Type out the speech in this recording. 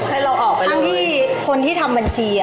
ให้เราออกไปทั้งที่คนที่ทำบัญชี